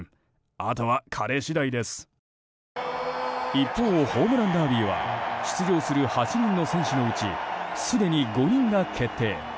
一方、ホームランダービーは出場する８人の選手のうちすでに５人が決定。